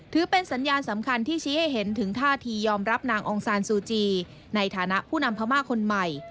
ถือเป็นสัญญาณสำคัญที่ชี้ให้เห็นถึงท่าทียอมรับนางองซานซูจีในฐานะผู้นำพม่าคนใหม่